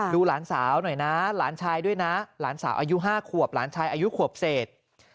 หลานสาวหน่อยนะหลานชายด้วยนะหลานสาวอายุ๕ขวบหลานชายอายุขวบเศษ